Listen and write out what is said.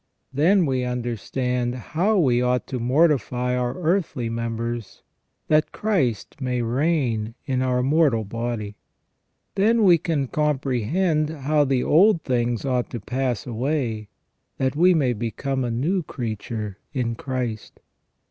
Then we understand how we ought to mortify our earthly members, that Christ may reign in our mortal body. Then we can comprehend how the old things ought to pass away, that we may become a new creature in Christ.